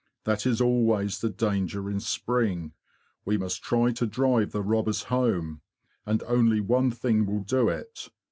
That is always the danger in spring. We must try to drive the robbers home, and only one thing will do it.